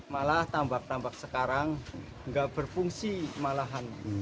malah tambak tambak sekarang nggak berfungsi malahan